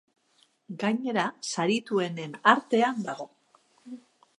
Gainera, sarituenen artean dago.